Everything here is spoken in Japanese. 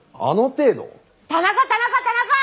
田中田中田中！